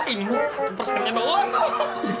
ini mah satu persennya dong